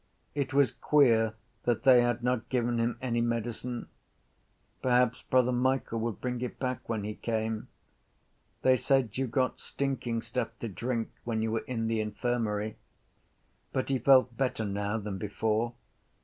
It was queer that they had not given him any medicine. Perhaps Brother Michael would bring it back when he came. They said you got stinking stuff to drink when you were in the infirmary. But he felt better now than before.